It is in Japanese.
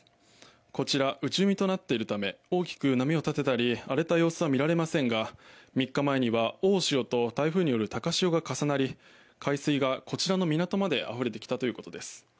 こちら、内海となっているため大きく波を立てたり荒れた様子は見られませんが３日前には大潮と台風による高潮が重なり海水がこちらの港まであふれてきたということです。